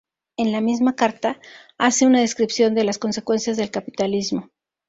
En la misma carta hace una descripción de las consecuencias del capitalismo.